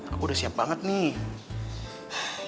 aku udah siap banget nih